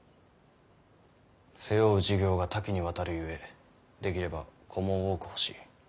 背負う事業が多岐にわたるゆえできれば子も多く欲しい。